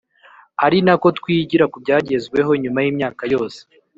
arinako twigira kubyagezweho nyuma y’imyaka yose